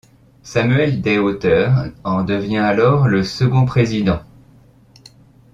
Samuel Deshauteurs en devient alors le second président.